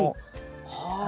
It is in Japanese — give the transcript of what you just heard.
はい。